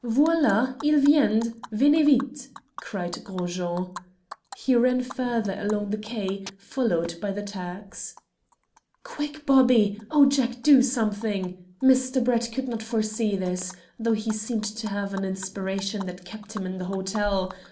"Voilà! Ils viennent! Venez vite!" cried Gros Jean. He ran further along the quay, followed by the Turks. "Quick, Bobby! Oh, Jack, do something! Mr. Brett could not foresee this, though he seemed to have an inspiration that kept him in the hotel.